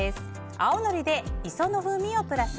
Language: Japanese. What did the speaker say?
青のりで磯の風味をプラス！